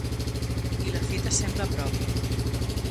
I la fita sembla a prop.